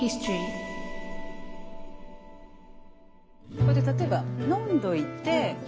ここで例えば飲んどいて。